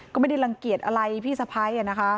ก็ไม่ได้รังเกียจอะไรพี่สะพ้าย